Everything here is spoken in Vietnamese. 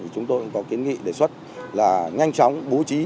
chúng tôi có kiến nghị đề xuất là nhanh chóng bố trí